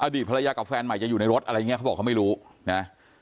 ดีตภรรยากับแฟนใหม่จะอยู่ในรถอะไรอย่างนี้เขาบอกเขาไม่รู้นะ